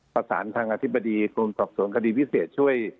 ประสานทางอธิบดีกรมสอบสวนคดีพิเศษช่วย